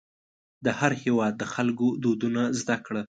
د هر هېواد د خلکو دودونه زده کړه.